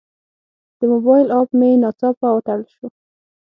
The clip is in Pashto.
د موبایل اپ مې ناڅاپه وتړل شو.